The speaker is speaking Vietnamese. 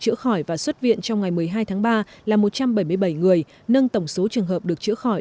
chữa khỏi và xuất viện trong ngày một mươi hai tháng ba là một trăm bảy mươi bảy người nâng tổng số trường hợp được chữa khỏi